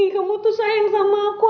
kamu tuh sayang sama aku